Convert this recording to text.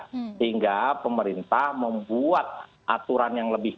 sehingga pemerintah membuat aturan yang lebih